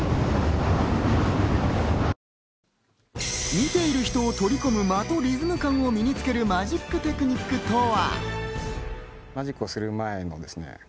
見ている人を虜にする間とリズム感をつけるマジックのテクニックとは？